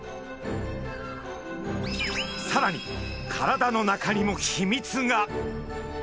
さらに体の中にも秘密が！